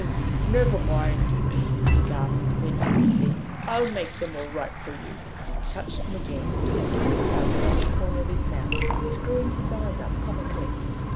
"Never mind," he gasped, when he could speak, "I'll make them all right for you." He touched them again, twisting his tongue round the corner of his mouth, and screwing his eyes up comically.